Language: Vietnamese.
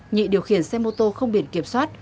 nhị điều khiển xe mô tô không biển kiểm soát